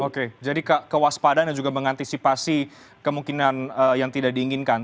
oke jadi kewaspadaan dan juga mengantisipasi kemungkinan yang tidak diinginkan